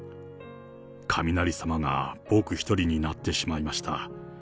雷様が僕一人になってしまいました。